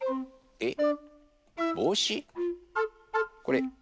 えっ？